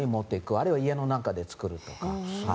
あるいは家の中で作るとか。